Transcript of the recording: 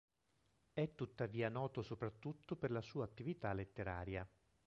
È tuttavia noto soprattutto per la sua attività letteraria.